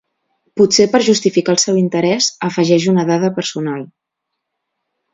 Potser per justificar el seu interès, afegeix una dada personal.